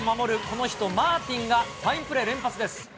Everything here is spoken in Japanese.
この人、マーティンがファインプレー連発です。